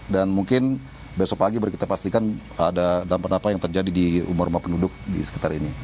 dan mungkin besok pagi berarti kita pastikan ada dampak dampak yang terjadi di rumah rumah penduduk di sekitar ini